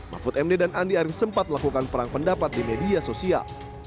mahfud md dan andi arief sempat melakukan perang pendapat di media sosial